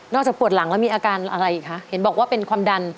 จากปวดหลังแล้วมีอาการอะไรอีกคะเห็นบอกว่าเป็นความดัน